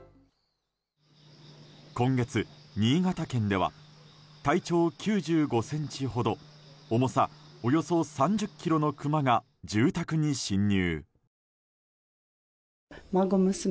今月、新潟県では体長９５ｃｍほど重さ、およそ３０ｋｇのクマが住宅に侵入。